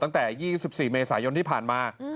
ตั้งแต่๒๔เมษายนที่ผ่านมา